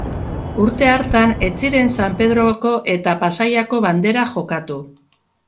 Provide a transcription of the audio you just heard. Urte hartan ez ziren San Pedroko eta Pasaiako Banderak jokatu.